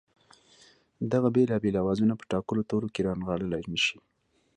دغه بېلابېل آوازونه په ټاکلو تورو کې رانغاړلای نه شي